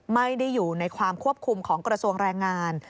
ไม่ได้อยู่ในความควบคุมของกระทรวงแรงงาน